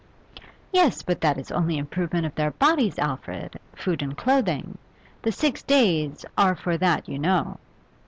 'Yes, but that is only improvement of their bodies, Alfred food and clothing. The six days are for that you know.